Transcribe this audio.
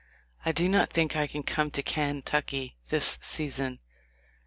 I do not think I can come to Kentucky this season.